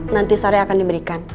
nanti sarah akan diberikan